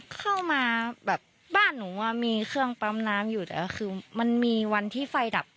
เข้ามาแบบบ้านหนูอ่ะมีเครื่องปั๊มน้ำอยู่แต่คือมันมีวันที่ไฟดับ